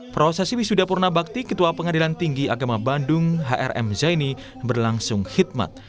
prosesi wisuda purna bakti ketua pengadilan tinggi agama bandung hrm zaini berlangsung khidmat